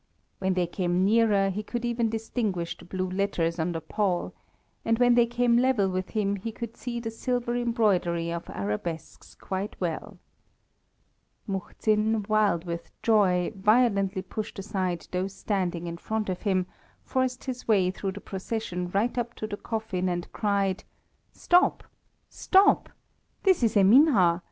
When they came nearer he could even distinguish the blue letters on the pall, and when they came level with him he could see the silver embroidery of arabesques quite well. Muhzin, wild with joy, violently pushed aside those standing in front of him, forced his way through the procession right up to the coffin, and cried "Stop! Stop! This is Eminha.